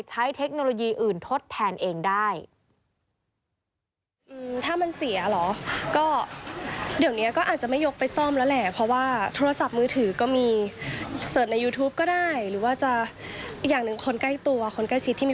เทคโนโลยีอื่นทดแทนเองได้